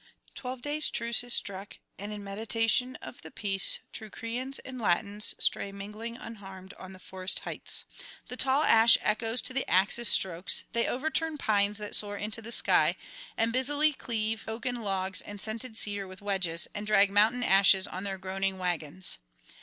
Twelve days' truce is struck, and in mediation of the peace Teucrians and Latins stray mingling unharmed on the forest heights. The tall ash echoes to the axe's strokes; they overturn pines that soar into the sky, and busily cleave oaken logs and scented cedar with wedges, and drag mountain ashes on their groaning waggons.